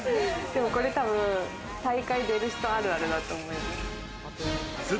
でもこれ多分、大会出る人あるあるだと思います。